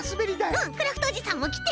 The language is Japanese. うんクラフトおじさんもきてきて。